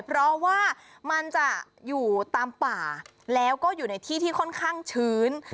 เพราะว่ามันจะอยู่ตามป่าแล้วก็อยู่ในที่ที่ค่อนข้างชื้น